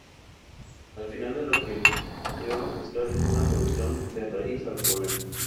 Al final lo que debemos buscar es una solución de raíz al problema.